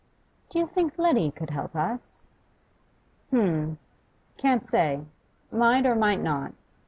'Do you think Letty could help us?' 'H'm, can't say. Might or might not.